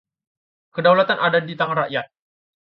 Kedaulatan ada di tangan rakyat.